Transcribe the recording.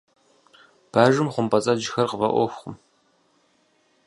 Бажэм хъумпӀэцӀэджхэр къыфӀэӀуэхукъым.